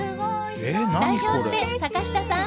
代表して、坂下さん！